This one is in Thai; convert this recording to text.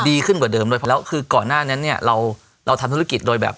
ดีขึ้นกว่าเดิมด้วยเพราะแล้วคือก่อนหน้านั้นเนี่ยเราเราทำธุรกิจโดยแบบ